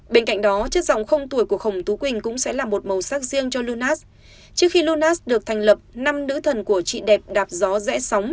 bên cạnh đó chất dòng không tuổi của khổng tú quỳnh cũng sẽ là một màu sắc riêng cho lunas